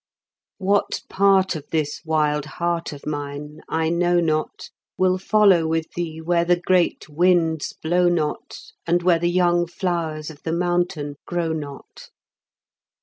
What part of this wild heart of mine I know not Will follow with thee where the great winds blow not, And where the young flowers of the mountain grow not.